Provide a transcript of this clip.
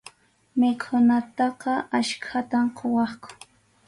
Mikhunataqa achkatam quwaqku.